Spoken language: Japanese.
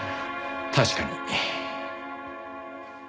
確かに。